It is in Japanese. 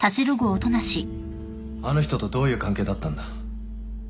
あの人とどういう関係だったんだ？